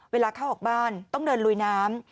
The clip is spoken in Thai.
เวลาเข้าออกบ้านต้องเดินลุยน้ำ